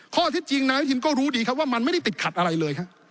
ข้อที่จริงนายอาทินตร์ก็รู้ดีว่ามันไม่ได้ติดขัดอะไรเลย